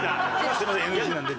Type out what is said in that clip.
すいませんＮＧなんで。